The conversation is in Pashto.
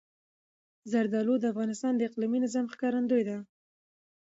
زردالو د افغانستان د اقلیمي نظام ښکارندوی ده.